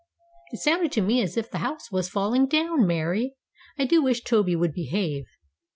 "It sounded to me as if the house was falling down, Mary! I do wish Toby would behave."